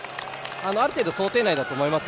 ある程度、想定内だと思います。